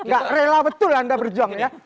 gak rela betul anda berjuang ya